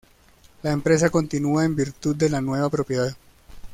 La empresa continúa en virtud de la nueva propiedad.